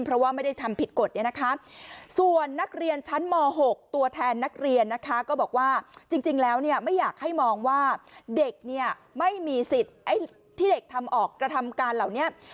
เพราะว่าไม่ได้ทำผิดกฎนี้นะคะ